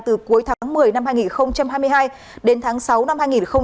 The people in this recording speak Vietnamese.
từ cuối tháng một mươi năm hai nghìn hai mươi hai đến tháng sáu năm hai nghìn hai mươi ba